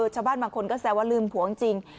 ชาวบ้านบางคนก็แซวว่าลืมหวงจริง